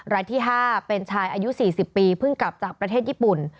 รายที่๕เป็นชายอายุ๔๐ปีเพิ่งกลับจากประเทศญี่ปุ่น